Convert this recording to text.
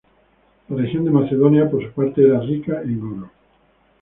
La región de Macedonia, por su parte, era rica en oro.